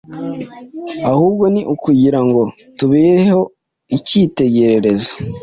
ahubwo ni ukugira ngo tubiheho icyitegererezo,